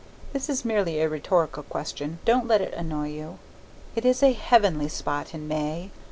(That is merely a rhetorical question. Don't let it annoy you.) It is a heavenly spot in May.